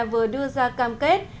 vừa đưa ra cam kết